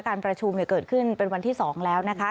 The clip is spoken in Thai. การประชุมเกิดขึ้นเป็นวันที่๒แล้วนะคะ